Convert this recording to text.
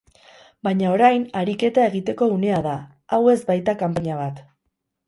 Baina orain ariketa egiteko unea da, hau ez baita kanpaina bat.